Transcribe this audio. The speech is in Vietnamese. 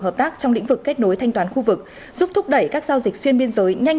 hợp tác trong lĩnh vực kết nối thanh toán khu vực giúp thúc đẩy các giao dịch xuyên biên giới nhanh